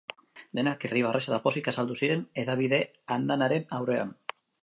Denak irribarrez eta pozik azaldu ziren hedabide andanaren aurrean.